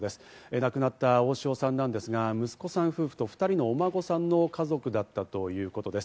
亡くなった大塩さんなんですが、息子さん夫婦と２人のお孫さんの家族だったということです。